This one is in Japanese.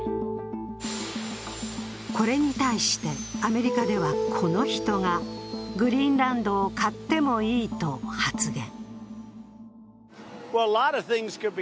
これに対して、アメリカではこの人がグリーンランドを買ってもいいと発言。